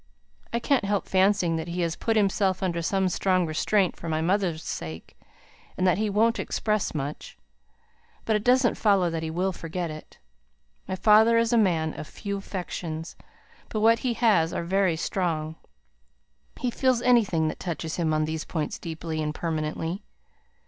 I can't help fancying that he has put himself under some strong restraint for my mother's sake, and that he won't express much. But it doesn't follow that he will forget it. My father is a man of few affections, but what he has are very strong; he feels anything that touches him on these points deeply and permanently.